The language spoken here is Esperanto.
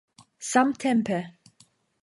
samtempe